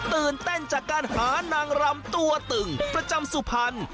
ตื่นเต้นจากการหานางรำตัวตึงประจำสุพรรณ